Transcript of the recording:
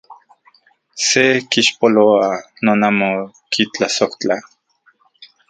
¿Se kixpoloa non amo kitlasojtla?